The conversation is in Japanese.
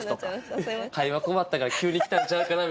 会話困ったから急に来たんちゃうかな？